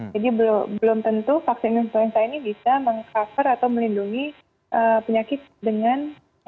jadi belum tentu vaksin influenza ini bisa meng cover atau melindungi penyakit dengan